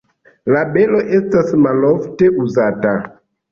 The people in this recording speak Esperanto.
La belo estas malofte uzata.